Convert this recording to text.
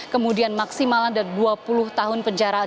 kemudian maksimal ada dua puluh tahun penjara